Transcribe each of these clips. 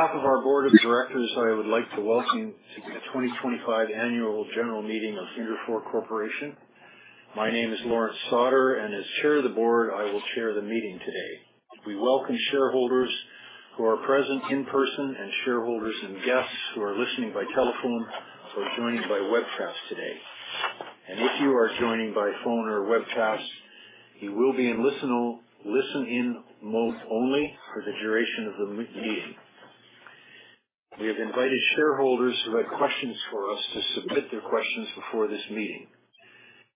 ...On behalf of our board of directors, I would like to welcome you to the 2025 Annual General Meeting of Interfor Corporation. My name is Lawrence Sauder, and as chair of the board, I will chair the meeting today. We welcome shareholders who are present in person, and shareholders and guests who are listening by telephone or joining by webcast today. If you are joining by phone or webcast, you will be in listen in mode only for the duration of the meeting. We have invited shareholders who had questions for us to submit their questions before this meeting.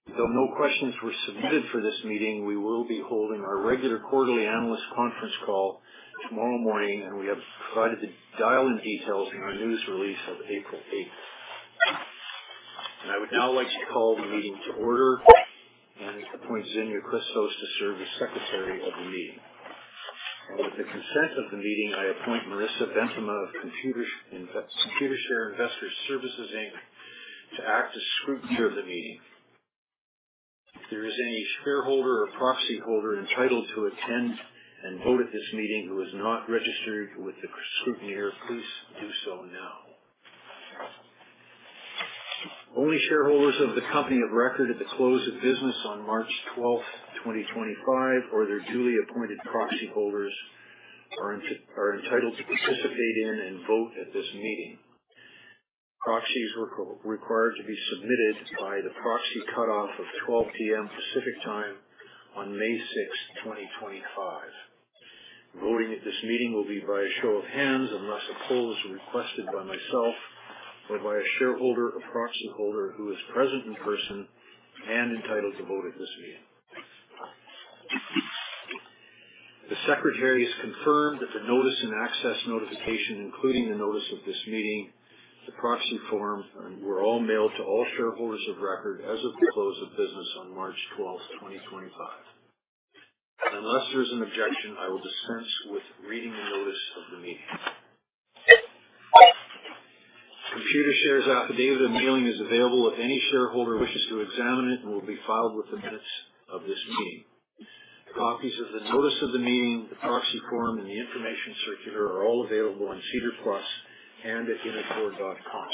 Though no questions were submitted for this meeting, we will be holding our regular quarterly analyst conference call tomorrow morning, and we have provided the dial-in details in our news release of April 8th. I would now like to call the meeting to order and appoint Xenia Kritsos to serve as Secretary of the meeting. With the consent of the meeting, I appoint Marissa Beintema of Computershare Investor Services Inc. to act as scrutineer of the meeting. If there is any shareholder or proxy holder entitled to attend and vote at this meeting who is not registered with the scrutineer, please do so now. Only shareholders of the company of record at the close of business on March twelfth, 2025, or their duly appointed proxy holders are entitled to participate in and vote at this meeting. Proxies were required to be submitted by the proxy cutoff of 12:00 P.M. Pacific Time on May sixth, 2025. Voting at this meeting will be by a show of hands, unless a poll is requested by myself or by a shareholder or proxy holder who is present in person and entitled to vote at this meeting. The Secretary has confirmed that the notice and access notification, including the notice of this meeting, the proxy form, were all mailed to all shareholders of record as of the close of business on March twelfth, twenty twenty-five. Unless there is an objection, I will dispense with reading the notice of the meeting. Computershare's Affidavit of Mailing is available if any shareholder wishes to examine it and will be filed with the minutes of this meeting. Copies of the notice of the meeting, the proxy form, and the information circular are all available on SEDAR+ and at interfor.com.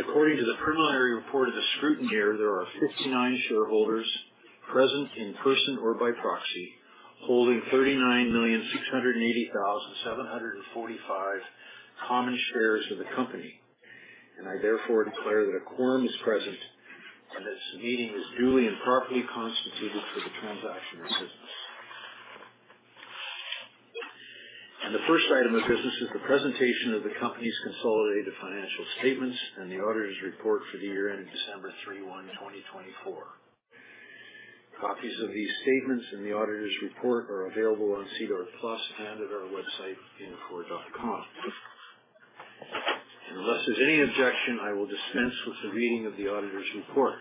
According to the preliminary report of the scrutineer, there are 59 shareholders present in person or by proxy, holding 39,680,745 common shares of the company, and I therefore declare that a quorum is present and this meeting is duly and properly constituted for the transaction of business. The first item of business is the presentation of the company's consolidated financial statements and the auditor's report for the year ending December 31, 2024. Copies of these statements and the auditor's report are available on SEDAR+ and at our website, interfor.com. Unless there's any objection, I will dispense with the reading of the auditor's report.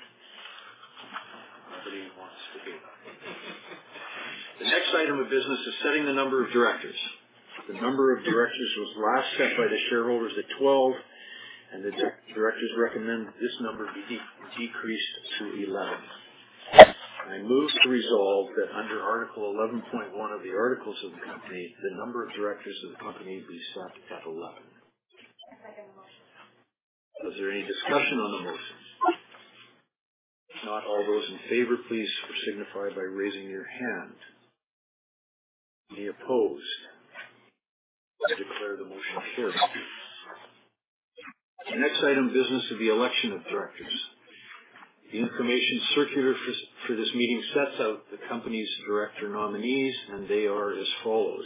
Nobody wants to hear that. The next item of business is setting the number of directors. The number of directors was last set by the shareholders at 12, and the directors recommend this number be decreased to 11. I move to resolve that under Article 11.1 of the articles of the company, the number of directors of the company be set at 11. I second the motion. Is there any discussion on the motion? If not, all those in favor, please signify by raising your hand. Any opposed? I declare the motion carried. The next item of business is the election of directors. The information circular for this meeting sets out the company's director nominees, and they are as follows: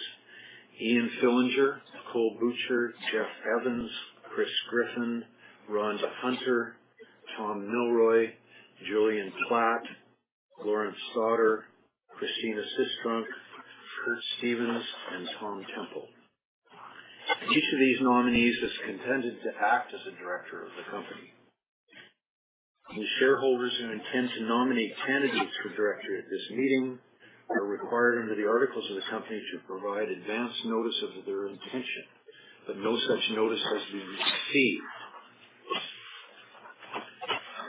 Ian Fillinger, Nicolle Butcher, Geoffrey Evans, Christopher Griffin, Rhonda Hunter, Thomas Milroy, Gillian Platt, Lawrence Sauder, Christina Sistrunk, Curtis Stevens, and Thomas Temple. Each of these nominees has consented to act as a director of the company. The shareholders who intend to nominate candidates for directorship at this meeting are required, under the articles of the company, to provide advance notice of their intention, but no such notice has been received.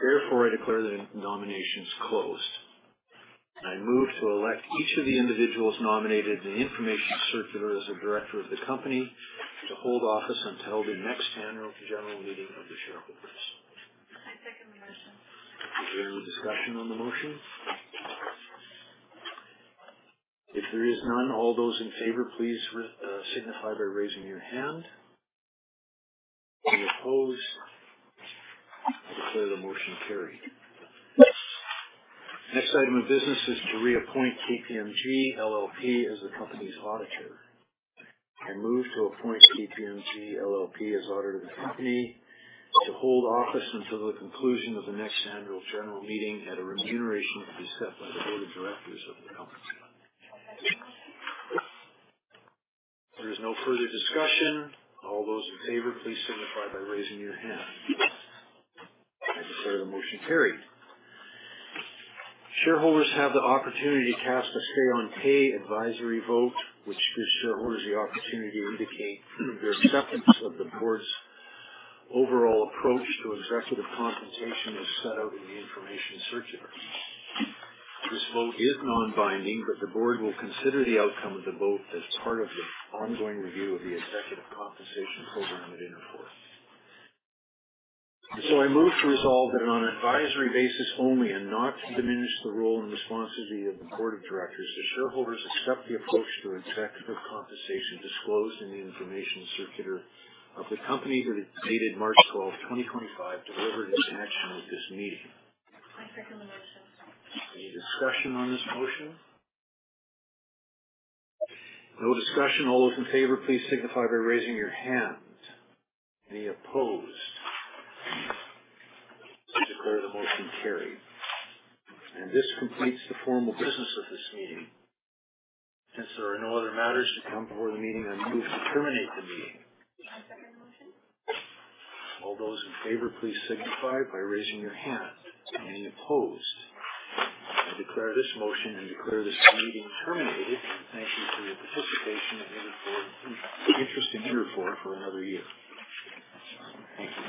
Therefore, I declare the nominations closed, and I move to elect each of the individuals nominated in the Information Circular as a director of the company to hold office until the next Annual General Meeting of the shareholders. I second the motion. Is there any discussion on the motion? If there is none, all those in favor, please signify by raising your hand. Any opposed? I declare the motion carried. The next item of business is to reappoint KPMG LLP as the company's auditor. I move to appoint KPMG LLP as auditor of the company to hold office until the conclusion of the next Annual General Meeting at a remuneration to be set by the board of directors of the company. I second the motion. If there is no further discussion, all those in favor, please signify by raising your hand. I declare the motion carried. Shareholders have the opportunity to cast a say-on-pay advisory vote, which gives shareholders the opportunity to indicate their acceptance of the board's overall approach to executive compensation as set out in the information circular. This vote is non-binding, but the board will consider the outcome of the vote as part of the ongoing review of the executive compensation program at Interfor. So I move to resolve that, on an advisory basis only and not diminish the role and responsibility of the board of directors, the shareholders accept the approach to executive compensation disclosed in the information circular of the company that is dated March 12, 2025, delivered in connection with this meeting. I second the motion. Any discussion on this motion? No discussion. All those in favor, please signify by raising your hand. Any opposed? I declare the motion carried. This completes the formal business of this meeting. Since there are no other matters to come before the meeting, I move to terminate the meeting. I second the motion. All those in favor, please signify by raising your hand. Any opposed? I declare this motion and declare this meeting terminated, and thank you for your participation and interest in Interfor for another year. Thank you.